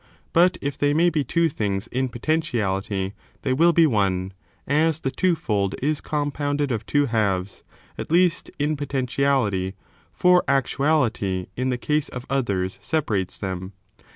But if they may be two things in potentiality, they will be one ; as the two fold is oompoimded of two halves, at least, in potentiality, for actu ahty in the case of others separates them.